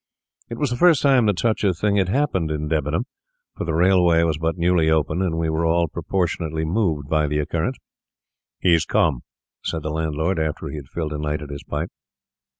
It was the first time that such a thing had happened in Debenham, for the railway was but newly open, and we were all proportionately moved by the occurrence. 'He's come,' said the landlord, after he had filled and lighted his pipe.